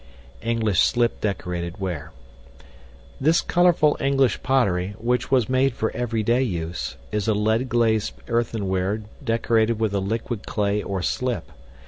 English Slip decorated ware. This colorful English pottery, which was made for everyday use, is a lead glazed earthenware decorated with a liquid clay or slip.